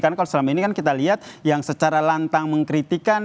karena kalau selama ini kan kita lihat yang secara lantang mengkritikan